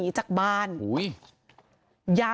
พระต่ายสวดมนต์